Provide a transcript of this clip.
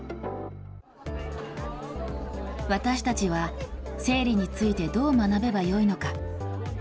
私たちは、生理についてどう学べばよいのか。